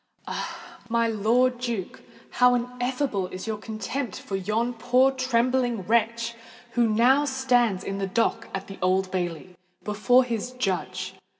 Ah! my Lord Duke—how ineffable is your contempt for yon poor trembling wretch who now stands in the dock at the Old Bailey, before his judge!